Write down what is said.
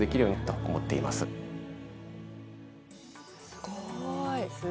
すごい。